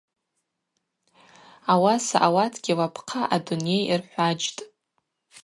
Ауаса ауатгьи лапхъа адуней рхӏваджьтӏ.